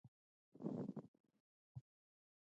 فاریاب د افغانستان د ځایي اقتصادونو بنسټ دی.